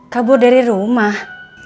kabur dari rumah